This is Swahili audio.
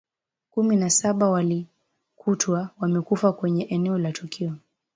kumi na saba walikutwa wamekufa kwenye eneo la tukio